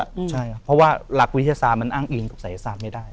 ใช่ครับเพราะว่าหลักวิทยาศาสตร์มันอ้างอิงกับศัยศาสตร์ไม่ได้